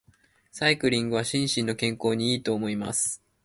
サイクリングは心身の健康に良いと思います。